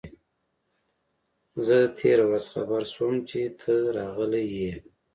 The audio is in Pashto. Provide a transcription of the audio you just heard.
زه تېره ورځ خبر شوم چي ته راغلی یې.